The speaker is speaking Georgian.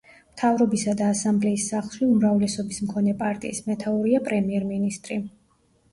მთავრობისა და ასამბლეის სახლში უმრავლესობის მქონე პარტიის მეთაურია პრემიერ–მინისტრი.